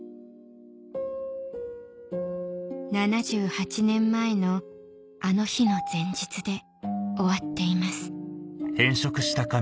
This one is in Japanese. ７８年前の「あの日」の前日で終わっています